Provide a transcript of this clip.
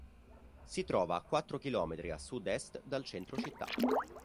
Si trova a quattro chilometri a sud-est del centro città.